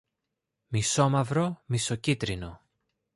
μισομαύρο-μισοκίτρινο